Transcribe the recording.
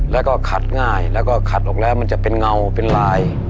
แล้วก็ขัดง่ายแล้วก็ขัดออกแล้วมันจะเป็นเงาเป็นลาย